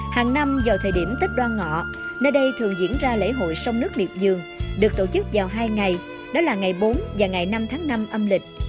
hàng năm vào thời điểm tích đoan ngọ nơi đây thường diễn ra lễ hội sông nước miệp dương được tổ chức vào hai ngày đó là ngày bốn và ngày năm tháng năm âm lịch